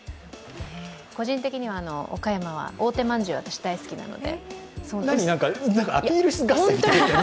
個人的には岡山はまんじゅうが、私、大好きなので。